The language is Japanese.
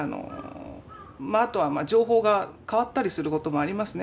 あとは情報が変わったりすることもありますね。